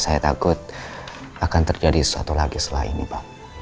saya takut akan terjadi sesuatu lagi setelah ini pak